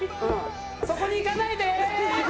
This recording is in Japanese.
そこに行かないでー！